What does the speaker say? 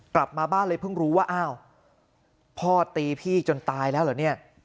กลับมาบ้านเลยเพิ่งรู้ว่าอ้าวพ่อตีพี่จนตายแล้วเหรอเนี่ย